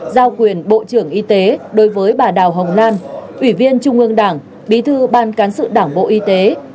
giao quyền bộ trưởng y tế đối với bà đào hồng lan ủy viên trung ương đảng bí thư ban cán sự đảng bộ y tế